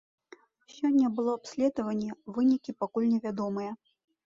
Сёння было абследаванне, вынікі пакуль невядомыя.